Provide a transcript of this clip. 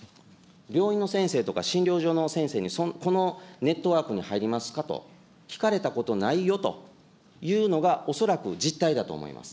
病院の先生とか、診療所の先生にそんな、このネットワークに入りますかと聞かれたことないよというのが、恐らく実態だと思います。